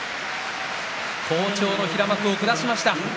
好調の平幕を下しました。